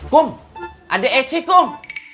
kum ada esi kum